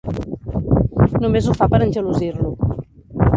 Només ho fa per engelosir-lo.